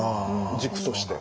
軸として。